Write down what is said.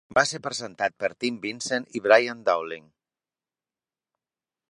Va ser presentat per Tim Vincent i Brian Dowling.